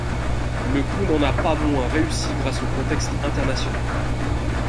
Le coup n'en a pas moins réussi grâce au contexte international.